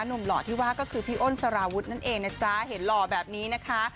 หล่อที่ว่าก็คือพี่อ้นสารวุฒินั่นเองนะจ๊ะเห็นหล่อแบบนี้นะคะ